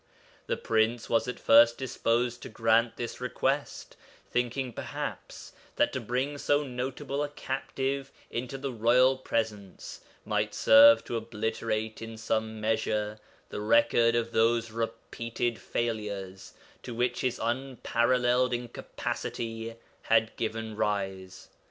The Prince was at first disposed to grant this request, thinking perhaps that to bring so notable a captive into the Royal Presence might serve to obliterate in some measure the record of those repeated failures to which his unparalleled incapacity had given rise.